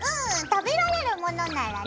食べられるものならね。